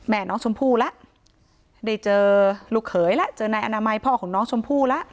แม่น้องชมพู่แล้วได้เจอลูกเขยแล้วเจอนายอนามัยพ่อของน้องชมพู่แล้ว